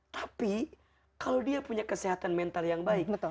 tapi kalau dia punya kesehatan mental yang baik